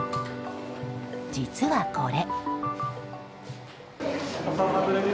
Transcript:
実はこれ。